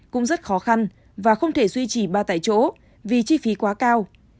cũng rất khó khăn và không thể duy trì ba tại chỗ vì chi phí quá cao